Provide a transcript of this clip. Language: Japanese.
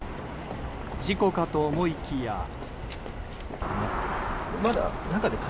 事故かと思いきや。